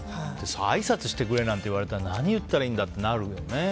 あいさつしてくれなんて言われたら何言ったらってなるよね。